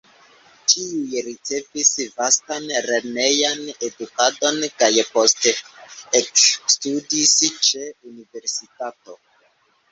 Ĉiuj ricevis vastan lernejan edukadon kaj poste ekstudis ĉe universitato.